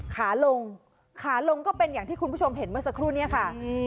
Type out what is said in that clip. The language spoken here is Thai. ขาลงขาลงก็เป็นอย่างที่คุณผู้ชมเห็นเมื่อสักครู่นี้ค่ะ